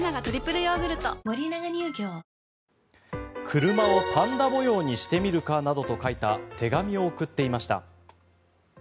車をパンダ模様にしてみるかなどと書いた手紙を送っていました。